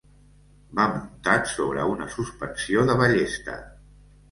Va muntat sobre una suspensió de ballesta.